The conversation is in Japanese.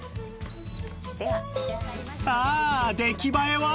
さあ出来栄えは？